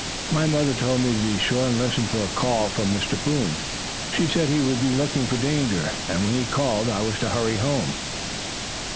"My mother told me to be sure and listen for a call from Mr. Boom. She said he would be looking for danger, and when he called, I was to hurry home."